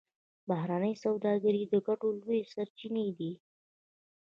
بهرنۍ سوداګري د ګټو لویې سرچینې دي